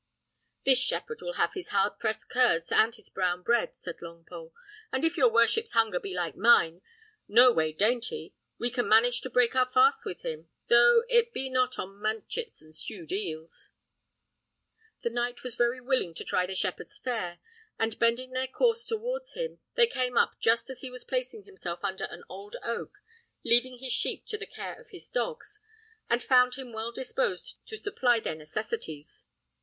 "This shepherd will have his hard pressed curds and his brown bread," said Longpole; "and if your worship's hunger be like mine, no way dainty, we can manage to break our fast with him, though it be not on manchets and stewed eels." The knight was very willing to try the shepherd's fare; and bending their course towards him, they came up just as he was placing himself under an old oak, leaving his sheep to the care of his dogs, and found him well disposed to supply their necessities.